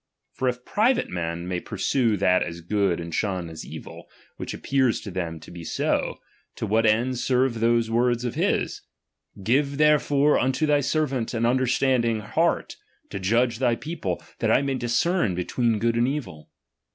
For if private men may pursue that as good chap. xii. and shun that as evil, which appears to them to be ' TTT so, to what end serve those words of his : Give ra™i of ojg_ tkerej'ore unto thy servant an vnderstanding '"^^^m heart, to judge thy people, thai I may discern be ^^M tween good and evil